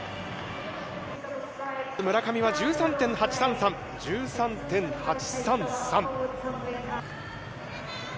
村上は１３．８３３、１３．８３３。